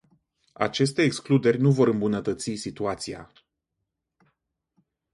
Aceste excluderi nu vor îmbunătăți situația.